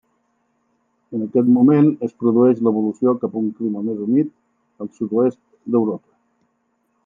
En aquest moment es produeix l'evolució cap a un clima més humit al sud-oest d'Europa.